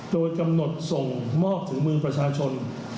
โดยกำหนดส่งมอบถึงมือประชาชน